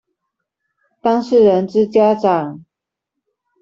當事人之家長